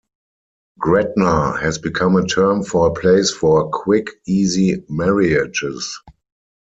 "Gretna" has become a term for a place for quick, easy marriages.